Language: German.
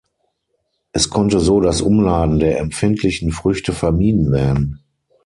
Es konnte so das Umladen der empfindlichen Früchte vermieden werden.